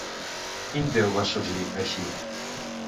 Quin déu va sorgir, així?